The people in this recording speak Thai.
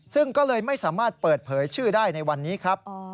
ซึ่งก็เลยไม่สามารถเปิดเผยชื่อได้ในวันนี้ครับ